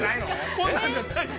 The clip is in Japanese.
◆こんなんじゃない。